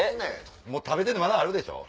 食べてるのまだあるでしょ？